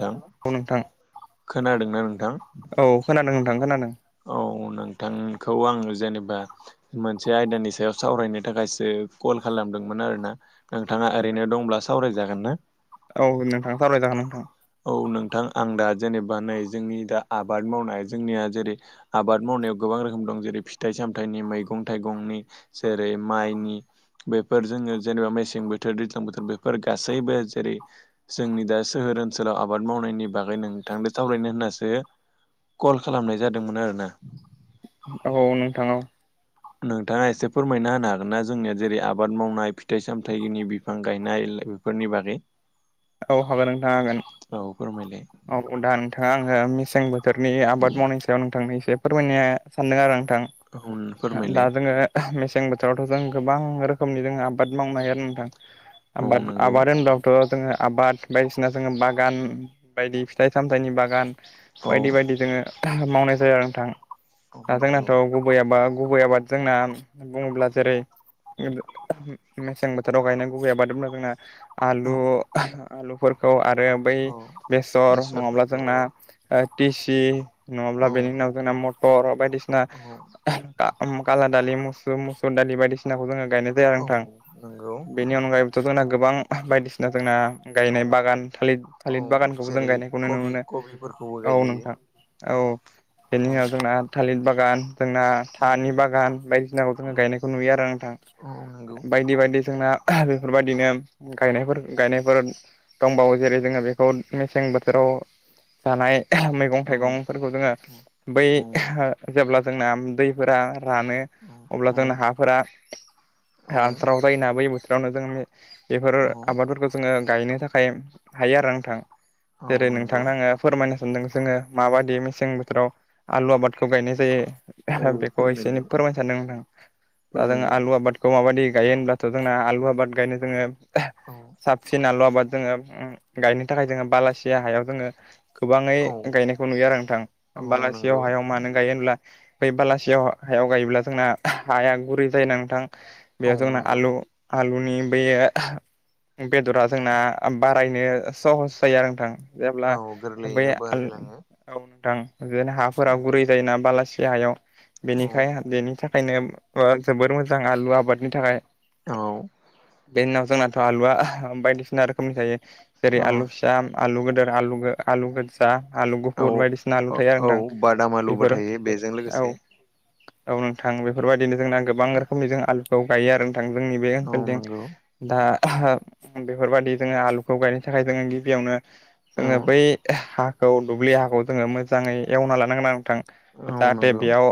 नोंथां खोनादोंना नोंथां? औ खोनादों नोंथां खोनादों औ नोंथांखौ आङो जेनेबा मोनसे आयदानि सायाव सावरायनो थाखायसो कल खालामदोंमोन आरो ना नोंथाङा ओरैनो दंब्ला सावरायजागोन ना? औ नोंथां सावरायजागोन नोंथां औ नोंथां आं दा जेनेबा नै जोंनि दा आबाद मावनाय जोंनिया जेरै आबाद मावनायाव गोबां रोखोम दं जेरै फिथाइ सामथाइनि मैगं थाइगंनि जेरै माइनि बेफोर जोङो जेनेबा मेसें बोथोर दैज्लां बोथोर बेफोर गासैबो जेरै जोंनि दा सोहोर ओन सोलाव आबाद मावनायनि बागै नोंथांजों सावरायनो होनासो कल खालामनाय जादोंमोन आरोना। औ नोंथांङाव नोंथाङा एसे फोरमायना होनो हागोन ना जोंनिया जेरै आबाद मावनाय फिथाइ सामथाइनि बिफां गायनाय बेफोरनि बागै। औ हागोन नोंथाङा हागोन औ फोरमायलाय औ दा नोंथाङा आङो मेसेंबो थोरनि आबाद मावनायनि सायाव नोंथांनो एसे फोरमायनो सानदों आरो आं। औ दा फोरमायलाय जोङो मेसें बोथा रावथ' जों गोबां रोखोमनि जोङो आबाद मावनो हायो आरो नोंथां। औ आबाद नंगौ आबाद होमबाबोथ जोंङो आबाद बायदिसिना जोङो बागान बायदि फिथाइ सामथाइनि बागान औ बायदि बायदि जोङो मावनाय जाया आरो नोंथां औ दा नंगौ जोंनाथ' गुबैयाबा गुबै आबाद जोंना बुङोब्ला जेरै [unintelligible] मेसें बोथोराव गायनांगैयाबादना जोंना औ आलु आलुफोरखौ आरो बै औ बेसर नङाब्ला बेसरफोरखौ जोंना औ ओ टिसि नङाब्ला बेनि उनाव जोंना मटर बायदिसिना औ काला दालि मुसु मुसुर दालि बायदिसिनाखौ जोङो गायनाय जाया नोंथां औ नंगौ बेनि अनगायैबोथ' जोंना गोबां बायदिसिना जोंना गायनाय औ बागान थालिर औ थालिर बागानखौबो जों जेरै गायनायखौ नुनो कबि मोनो कबिफोरखौबो औ नोंथां गायजायो औ बेनि औ उनाव जोंना थालिर बागान जोंना औ थानि बागान बायदिसिनाखौ जोंो औ गायनायखौ नुयो आरो नोंथां औ नंगौ बायदि बायदि जोंना बेफोरबायदिनो गायनायफोर गायनायफोर दंबावो जेरै जोङो बेखौ मेसें बोथोराव जानाय मैगं औ थाइगंफोरखौ जोङो औ बै औ जेब्ला जोंना दैफोरा रानो अब्ला औ जोंनो हाफोरा औ हानसाराव जायो ना बै बोथोरावनो जों बेफोरो औ जो गायनो थाखाय हायो आरो नोंथ औ जेरै नंगौ नोंथनो आङो फोरमायनो सानदों जोङो माबायदि मेसें बोथोराव आलु आबादखौ गायनाय औ जायो बेखौ एसे एनै फोरमायलाय फोरमायनो सानदों होनां दाजों फोरमायलाय आलु आबादखौ माबायदि गायो होनब्लाथ' जोंना आलु आबाद गायनो जोङो औ फिन आलु आबाद जोङो गायनो थाखाय जोङो बालासिया हायाव जोङो गोबाङै औ गायनायखौ नुयो आरो नोंथां औ बलासियाव नंगौ हायाव मानो गायो होनब्ला बै बलासियाव हायाव गायोब्ला जोंना हाया गुरै जायो ना नोंथां औ बेयाव जोंना नंगौ आलु आलुनि बे बेदरा जोंना बारायनो सहस जायो आरो नोंथां जेब्ला औ बै गोरलैयैनो औ बारायलाङो नोंथां बिदिनो औ हाफोरा गुरै जायोना बालासि हायाव औ बेनिखाय बेनि थाखाय बेखायनो जोबोर मोजां आलु आबादनि थाखाय औ बेनि उनाव जोंनाथ' आलु आलुआ बायदिसिना रोखोमनि जायो जेरै औ आलु फिसा आलु गोदोर आलु गोजा आलु औ गुफुर बायदिसिना आलु औ थायो औ आरोना बादाम नोंथां आलुबो बेफोरो थायो बेजों औ लोगोसे औ नोंथां बेफोरबायदिनो जोंना गोबां रोखोमनि जों आलुखौ गायो आरो जोंनि बे औ नंगौ ओनसोलथिंदा बेफोरबाददि जोङो आलुखौ गायनो थाखाय जोङो गिबियावनो औ जोङो बै हा खौ दुब्लि हाखौ जोङो मोजाङै एवना लानांगोन नथां औ जाहाथे नंगौ बेयाव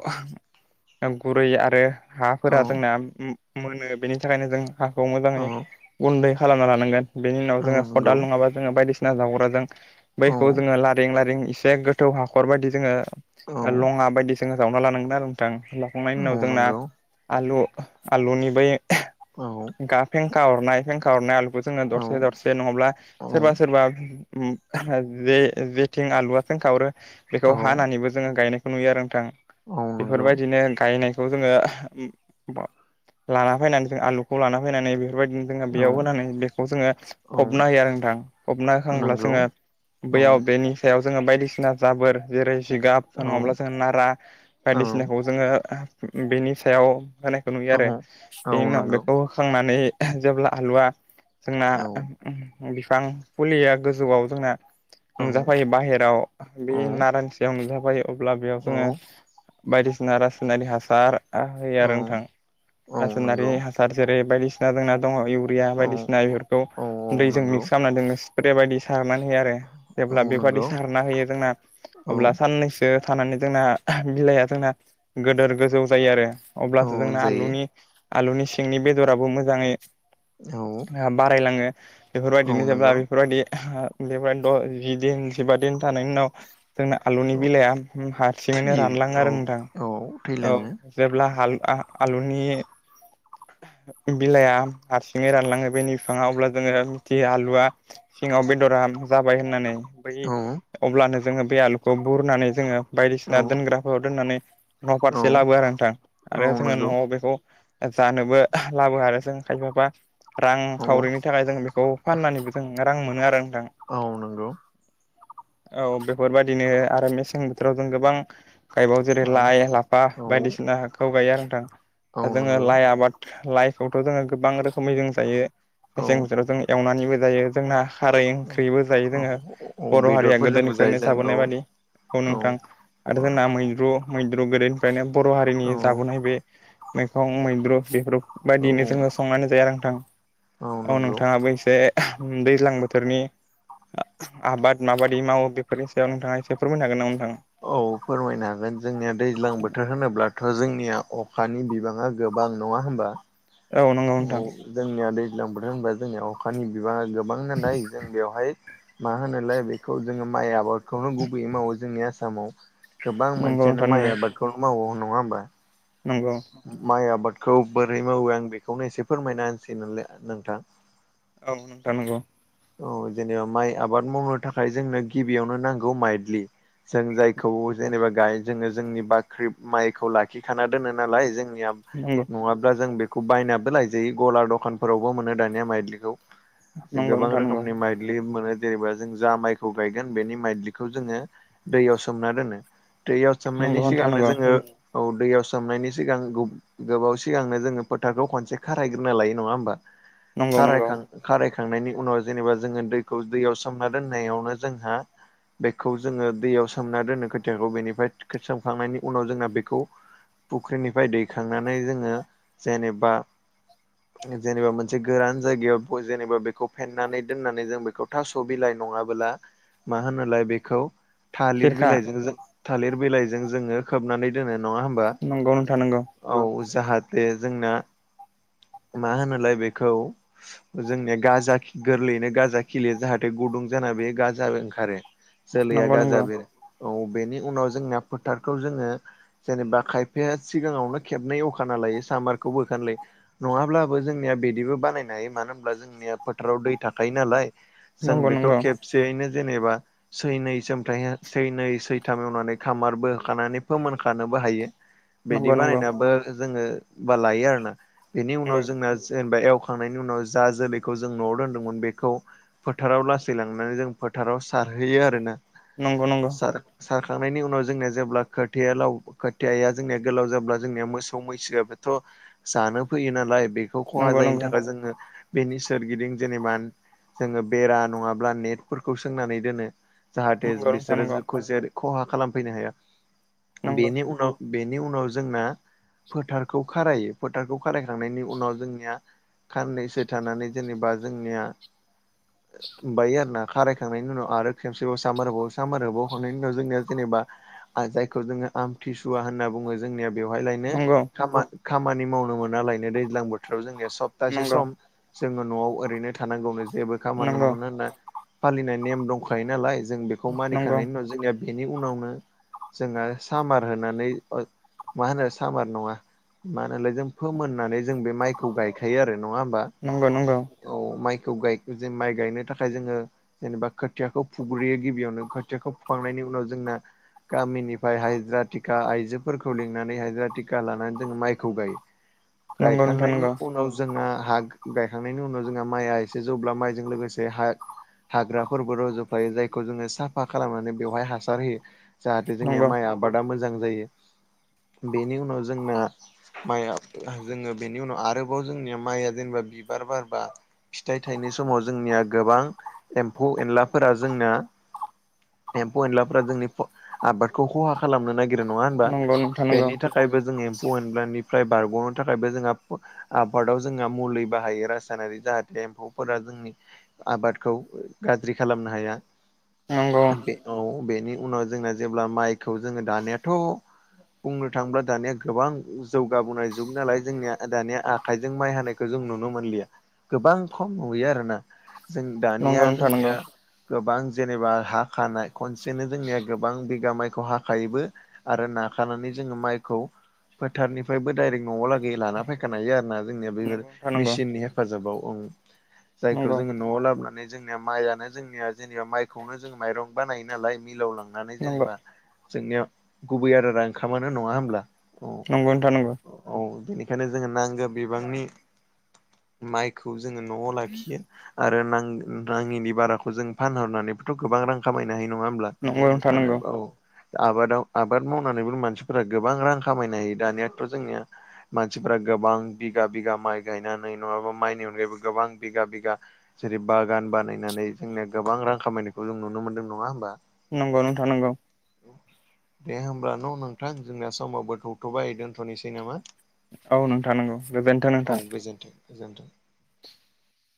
गुरै आरो औ हाफोरा जोंना मोनो बेनि थाखायनो जों हाखौ मोजाङै औ गुन्दै खालामना लानांगोन बेनि उनाव औ जोङो नंगौ खदाल नङाबा जोङो बायदिसिना जावग्राजों औ बैखौ जोङो लारिं लारिं एसे गोथौ हाखर बायदि जोङो औ लङा बायदिसिना जोङो जावना लानांगोन आरो नोंथां लाखांनायनि औ उनाव जोंना नंगौ आलु आलुनि बै औ फेंखा हरनाय फेंखा हरनाय आलु जोङो औ दरसे दरसे नङाब्ला औ सोरबा सोरबा जे जेथिं आलुवथिों खावरो औ बेखौ हानानैबो जोङो गायनो नुयो आरो नोंथां औ नंगौ बेफोरबायदिनो गायनाय खौ जोङो लाना फैनानै आलुखौ लाना फैनानै बेफोरबायदि जोङो औ बेयाव होनानै बेखौ जोङो औ फबना होयो आरो नोंथां फबना होखांब्ला नंगौ जोङो औ बेयाव बेनि सायाव जोङो बायदिसिना जाबोर जेरै जिगाब औ नङाब्ला जोङ नारा औ बायदिसिनाखौ जोङो बेनि सायाव होनायखौ नुयो औ आरो औ बेनि उनाव नंगौ बेखौ औ होखांनानै जेब्ला आलुवा जोंना औ बिफां फुलिया गोजौआव जोंना नुजाफायो बाहेराव बे नारानिसायाव नुजाफायो अब्ला बेयाव औ जोङो बायदिसिना रासायनारि हासार होयो आरो औ नोंथां औ रासायनारि नंगौ हासार जेरै बायदि दा जोंना दङ इउरिया औ बायदिसिना बेफोरखौ औ औ दैजों नंगौ मिक्स खालामना दङ स्प्रे बायदि सारनानै औ जेब्ला बेबादि नंगौ सारना होयो जोंना औ अब्ला साननैसो थानानै जोंना बिलाइआ जोंना गोदोर गोजौ जायो आरो औ अब्लासो जोंना आलुनि जायो आलुनि सिंनि बेदराबो मोजाङै औ ओ बारायलाङो औ बेफोरबायदिनो जेब्ला नंगौ बेफोरबायदि आ [unintelligible] जि दिन जिबा दिन थानायनि उनाव जोंना आलुनि औ बिलाइआ हारसिङैनो रानलाङो थैयो औ आरो नोंथां औ औ थैलाङो जेब्ला हाल आ-आलुनि बिलाइआ हारसिङै रानलाङो बेनि बिफाङा अब्ला जोङो मिथियो आलुआ सिङाव बेदरा जाबाय होननानै। बै औ अब्लानो जोङो बे आलुखौ बुरनानै जोङो बायदिसिना औ दोनग्राफोराव दोननानै औ न'फारसे लाबोयो आरो नोंथां आरो औ जोङो नंगौ न'आव बेखौ जानोबो लाबोयो आरो जों खायफाबा रां औ खावरिनि थाखाय जों बेखौ फाननानैबो जों रां मोनो आरो नोंथां। औ नंगौ औ बेफोरबायदिनो आरो मेसें बोथोराव जों गोबां गायबावो जेरै औ लाइ लाफा औ बायदिसिनाखौ गायो आरो नोंथा। औ दा जोङो नंगौ लाइ आबाद लाइखौथ' जोङो गोबां रोखोमै जों जायो औ मेसें बोथोराव जों एवनानैबो जायो। जोंना खारै औ ओंख्रिबो जायो जोङो औ औ बर' हारिया बेदरफोरजोंबो जायो गोदोनिफ्रायनो जाबोनाय जों बायदि। औ नोंथां औ आरो जोंना मैद्रु मैद्रु गोदोनिफ्रायनो बर' हारिनि औ जाबोनाय बे मैगं मैद्रु बेफोर औ बायदियैनो जोङो संनानै जायो आरो नोंथां। औ नोंथाङाबो एसे दैज्लां बोथोरनि आ-आबाद मा बादि मावो बेफोरनि सायाव नोंथाङा एसे फोरमायनो हागोन नामा? नोंथां औ फोरमायनो हागोन जोंनिया दैज्लां बोथोर होनोब्ला थ' जोंनिया अखानि बिबाङा गोबां नङा होमबा? नंगौ औ नोंथां जोंनिया दैज्लां बोथोर होनबा जोंनिया अखानि बिबाङा गोबां नालाय जों बेवहाय मा होनोलाय बेखौ जोङो माइ आबादखौनो गुबैयै मावो। जोंनि आसामाव गोबां नंगौ मानसियानो नोंथां माइ नंगौ आबादखौल' मावो नङा होमबा? नंगौ माइ आबादखौ बोरै मावो आं बेखौनो एसे फोरमायना होनसै नोंलाय नोंथां। औ नोंथां नोंगौ। औ जेनेबा माइ आबाद मावनो थाखाय जोंनो गिबियावनो नांगौ माइदलि जों जायखौ नंगौ नंगौ जेनेबा गायो जोङो जोंनि बाख्रि माइखौ लाखिखाना दोनो नालाय, जों निया नंगौ नङाब्ला जों बेखौ बायनाबो लायजायो गला दखानफोरावबो मोनो दानिया माइदलिखौ। नंगौ गोबां नोंथां नंगौ रोखोमनि माइदलि मोनो। जेनेबा जों जा माइखौ गायगोन बेनि माइदलिखौ जोङो दैयाव सोमना दोनो। दैयाव नंगौ सोमनायनि नोंथां सिगांनो नंगौ जोङो औ दैयाव सोमनायनि सिगां गोब-गोबाव सिगांनो जोङो फोथारखौ खनसे खारायग्रोनो लायो नङा होमबा? नंगौ नंगौ खारायखां खाराय खांनायनि उनाव जेनेबा जोङो दैखौ दैयाव सोमना दोननायावनो जोंहा बेखौ जोङो दैयाव सोमना दोनो खोथियाखौ बेनिफ्राय सोमखांनायनि उनाव जोंना बेखौ फुख्रिनिफ्राय दैखांनानै जोङो जेनेबा जेनेबा मोनसे गोरान जायगायाव बेखौ जेनेबा बेखौ फेनानै दोननानै जों बेखौ थास' बिलाय नङाबोला मा होनलाय बेखौ थालिर खिरखा बिलाइजों जों थालिर बिलाइजों जोङो खोबनानै दोनो नङा होमबा? थां नोंगौ। औ जाहाथे जोंना मा होनोलाय बेखौ जोंनिया गाजा खि गोरलैयैनो गाजा खिलियो जाहाथे गुदुं जाना बे गाजा ओंखारो। जोलैया नंगौ गाजा बेरो औ बेनि उनाव जोंना फोथारखौ जोङो जेनेबा खायफ फाया सिगाङावनो खेबनै अवखाना लायो सामबारखौ होखाना लायो नङाब्लाबो जोंनिया बिदिबो बानायनाय [unintelligible] मानो होनोब्ला जोंनिया फोथाराव दै थाखायायो नालाय जों नंगौ बेखौ नंगौ खबसेैनो जेनेबा सैनै सोमथाय सैनै सैथाम एवनानै खामारबो होखानानै फोमोनखानोबो बो हायो बेदि नंगौ नंगौ बानायनाबो जोङो बालायो आरो ना, बेनि उनाव जों बा एवखांनायनि उनाव जा जोलैखौ जों न'आव दोनदोंमोन बेखौ फोथाराव लासै लांनानै जों फोथाराव बाव सारहैयो आरो ना नंगौ नंगौ सारखांनायनि उनाव जोंनिया जेब्ला खोथियालाव खोथिया जोंनिया गोलाव जाब्ला जोंनिया मोसौ मैसोआ बेथ' जानो फैयो नालाय बेखौ नंगौ खहा जायैनि थाखाय जोङो बेनि सोरगिदिं जेनेबा जोङो बेरा नङाब्ला नेटफोरखौ सोंनानै दोनो। जाहाथे नंगौ नोंथां बिसोरो [unintelligible] नंगौ जेबो खहा खालामफैनो हाया नंगौ बेनि उनाव बेनि उनाव जोंना फोथारखौ खारायो फोथारखौ खारायखांनायनि उनाव जोंनिया साननैसो थानानै जेनेबा जोंनिया बायो आरोना खारायखांनायनि उनाव आरो खेबसेबाव सामोर होबावो सामोर होनायनि उनाव जोंनिया जेनेबा जायखौ जोङो आमथिसु वा होनना बुङो जोंनिया बेवहाय लायनो नंगौ खामानि मावनो मोनालायनो दैज्लां बोथोराव जों सप्तासे नंगौ सम जोङो न'आव ओरैनो थानांगौनो जेबो खामानि मावनो नंगौ मोना होनना फालिनाय नेम दंखायो नालाय जों बेखौ मानिखांनायनि नंगौ उनाव जोंनिया बेनि उनाव जोंना सामा र होनानै ओ मा होनो सामार नङा मा होनो फोमोन्नानै जों बे माइखौ गायखायो आरो नङा होमबा नंगौ नंगौ औ माइ माइ गायनो थाखाय जोङो जेनेबा खोथियाखौ फुग्रोयो गिबियावनो खोथियाखौ फुखांनायनि उनाव जोंना गामिनिफ्राय हाजिरा थिका आइजोफोरखौ लिंनानै हाजिरा टिका लानानै जोङो माइखौ गायो। नंगौ नोंथां गायखांनायनि नंगौ उनाव जोंहा हा गायखांनायनि उनाव जोंहा माइआ एसे जौब्ला माइजों लोगोसे हा हाग्राफोरबो रज'फायो जायखौ जोङो साफा खालामनानै बेवहाय हासार होयो। जाहाथे जोंनिया नंगौ माइ आबादा मोजां जायो। बेनि उनाव जोंना माइआ जोङो बेनि उनाव आरोबाव जोंनिया माइया जेनेबा बिबार बारबा फिथाइ थाइनाय समाव जोंनिया गोबां एम्फौ एनलाफोरा जोंना एम्फौ एनलाफोरा जोंनि आबादखौ खहा खालामनो नागि रो नङा होनबा नंगौ नोंथां नंगौ बेनि थाखायबो जोङो एम्फौ एनलानिफ्राय बारग'नो थाखायबो जोंहा आबादाव जोंहा मुलि बाहायो रासायनारि जाहाथे एम्फौफोरा जोंनि आबादखौ गाज्रि खालामनो हाया। नंगौ बे औ बेनि उनाव जोंना जेब्ला माइखौ जोङो दानियाथ' बुंनो थाङोब्ला दानिया गोबां जौगाबोनाय जुग नालाय जोंनिया दानिया आखाइजों माइ हानायखौ जों जों नुनो मोनलिया गोबां खम नुयो आरोना जों दानिया नंगौ नोंथां नंगौ जोंनिया गोबां जेनेबा हा खानाय खनसेनो जोंनिया गोबां बिगा माइखौ हाखायोबो आरो नाखानानै जोङो माइखौ फोथारनिफ्रायबो दडाइरेक्ट न'आव लागै लान फैखानो हायो आरोना जोंनिया बैफोर नंगौ नोंथां नंगौ मिसिननि हेफाजाबाव जायखौ नंगौ जोङो न'आव लाबोनानै जोंनिया माइआनो जोंनिया जेनेबा माइखौनो जों माइरं बानायो नालाय मिलाव लांनानै जेनेबा जोंनिया गुबै आदारा ओंखामानो नङा होमब्ला? नंगौ नोंथां नंगौ। बेखायनो जोङो नांगौ बिबांनि माइखौ जोङो न'आव लाखियो आरो नाङिनि बाराखौ जों फानहरनानैबोथ' गोबां रां खामायनो हायो। नङा होमब्ला नंगौ नोंथां नंगौ औ आबादाव आबाद मावनानैबो मानसिफोरा गोबां रां खामायनो हायो दानियाथ' जोंनिया मानसिफोरा गोबां बिगा बिगा माइ गायनानै नङाबा माइनि अनगायैबो गोबां बिगा बिगा जेरै बागान बानायनानै जोंनिया गोबां रां खामायनायखौ जों नुनो मोन्दों नङा होमबा? नंगौ नोंथां नंगौ। दे होमब्ला न' नोंथां जोंनाया समावबो थौथ'बाय दोनथ'नोसै नामा। औ नोंथां नोंगौ गोजोनथों नोंथां। गोजोनथों।